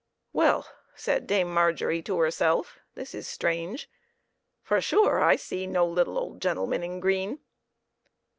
" Well," said Dame Margery to herself, " this is strange, for sure !/ see no little old gentle man in green."